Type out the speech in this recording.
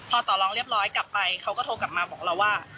พอต่อรองเรียบร้อยกลับไปเขาก็โทรกลับมาบอกเราว่า